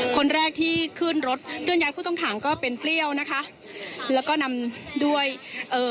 คนแรกที่ขึ้นรถเคลื่อนย้ายผู้ต้องขังก็เป็นเปรี้ยวนะคะแล้วก็นำด้วยเอ่อ